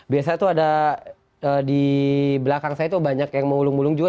biasanya tuh ada di belakang saya tuh banyak yang mengulung ulung juga